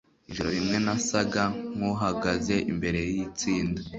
Ijoro rimwe nasaga nkuhagaze imbere yitsinda